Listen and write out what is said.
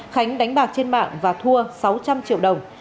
khánh đánh bạc trên mạng và thua sáu trăm linh triệu đồng